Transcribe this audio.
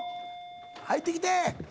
入ってきて。